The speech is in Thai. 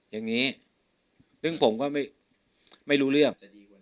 อย่างนี้ซึ่งผมก็ไม่รู้เรื่อง